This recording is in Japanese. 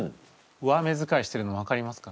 上目遣いしてるの分かりますか？